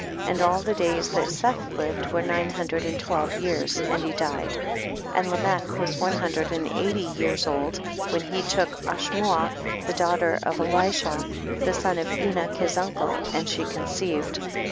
10. And all the days that Seth lived, were nine hundred and twelve years, and he died. 1 1 . And Lamech was one hun dred and eighty years old when he took Ashmua, the daughter of Elishaa the son of Enoch his uncle, and she conceived.